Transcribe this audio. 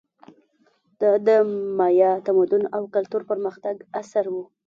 دا د مایا تمدن او کلتور پرمختګ عصر و.